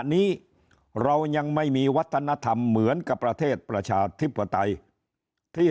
นี้เรายังไม่มีวัฒนธรรมเหมือนกับประเทศประชาธิปไตยที่